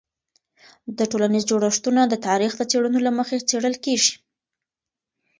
د ټولنیز جوړښتونه د تاریخ د څیړنو له مخې څیړل کېږي.